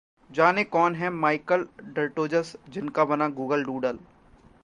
जानें- कौन हैं माइकल डर्टोजस, जिनका बना गूगल डूडल